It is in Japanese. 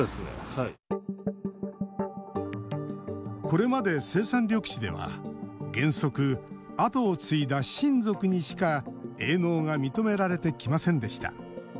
これまで生産緑地では原則、後を継いだ親族にしか営農が認められてきませんでした。